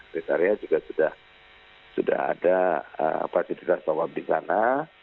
res area juga sudah ada partitur partitur top up di sana